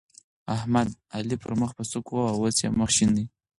احمد؛ علي پر مخ په سوک وواهه ـ اوس يې مخ شين دی.